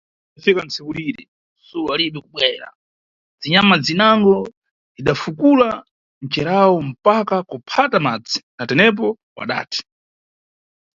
Tsono, idafika tsiku lire, Sulo walibe kubwera, zinyama zinango zida fukula ncerawo mpaka kuphata madzi, natepo wadati.